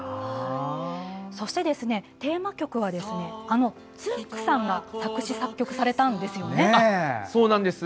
そしてテーマ曲はあのつんく♂さんが作詞・作曲されたんですよね。